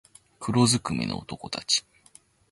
黒づくめの男たち